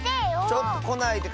ちょっとこないで。